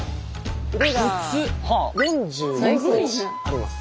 腕が４４ｃｍあります。